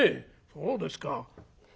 そうですか。